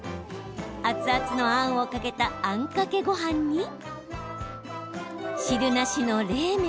熱々のあんをかけたあんかけごはんに汁なしの冷麺。